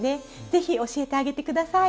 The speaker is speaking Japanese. ぜひ教えてあげて下さい。